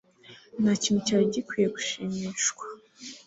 nta kintu cyari gikwiye gushimishwa